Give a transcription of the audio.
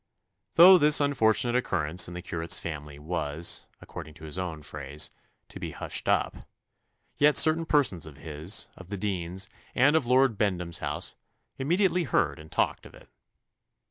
Though this unfortunate occurrence in the curate's family was, according to his own phrase, "to be hushed up," yet certain persons of his, of the dean's, and of Lord Bendham's house, immediately heard and talked of it.